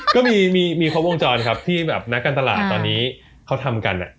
ก็มีครบวงจรครับที่แบบนักการตลาดตอนนี้เขาทำกัน